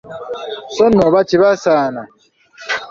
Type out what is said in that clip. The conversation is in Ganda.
So nno oba kibasaana!